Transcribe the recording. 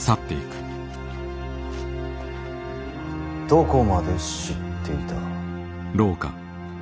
どこまで知っていた。